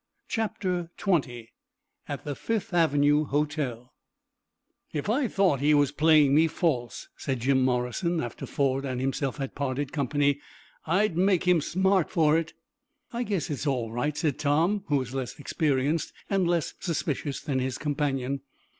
CHAPTER XX AT THE FIFTH AVENUE HOTEL "If I thought he was playing me false," said Jim Morrison, after Ford and himself had parted company, "I'd make him smart for it." "I guess it's all right," said Tom, who was less experienced and less suspicious than his companion.